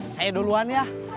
saya duluan ya